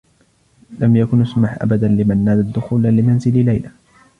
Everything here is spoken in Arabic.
لم يكن يُسمح أبدا لمنّاد الدّخول لمنزل ليلى.